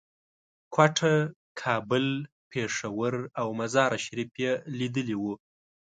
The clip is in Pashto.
کوټه، کابل، پېښور او مزار شریف یې لیدلي وو.